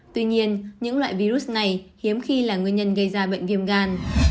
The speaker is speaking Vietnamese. tuy nhiên những loại virus này hiếm khi là nguyên nhân gây ra bệnh viêm gan